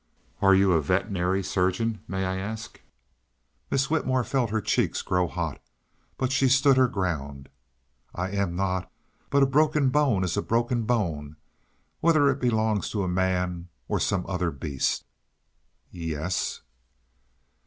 "Are you a veterinary surgeon, may I ask?" Miss Whitmore felt her cheeks grow hot, but she stood her ground. "I am not. But a broken bone is a broken bone, whether it belongs to a man or some OTHER beast!" "Y e s?"